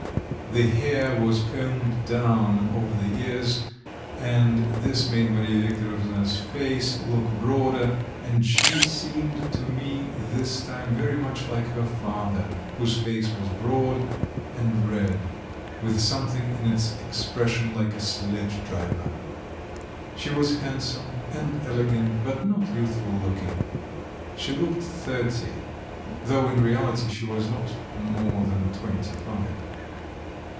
The hair was combed down over the ears, and this made Mariya Viktorovna's face look broader, and she seemed to me this time very much like her father, whose face was broad and red, with something in its expression like a sledge driver. She was handsome and elegant, but not youthful looking; she looked thirty, though in reality she was not more than twenty five.